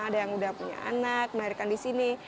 ada yang udah punya anak mereka disini